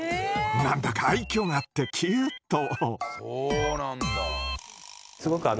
何だか愛きょうがあってキュート！